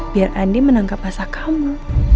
biar andi menangkap basah kamu